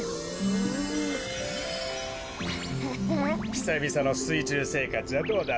ひさびさのすいちゅうせいかつはどうだった？